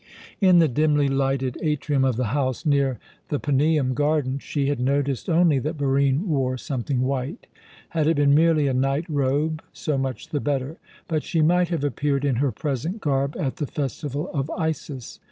In the dimly lighted atrium of the house near the Paneum garden, she had noticed only that Barine wore something white. Had it been merely a night robe, so much the better. But she might have appeared in her present garb at the festival of Isis.